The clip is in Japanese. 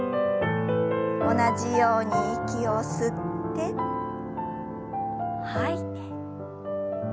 同じように息を吸って吐いて。